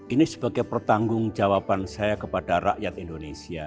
ini sebagai pertanggung jawaban saya kepada rakyat indonesia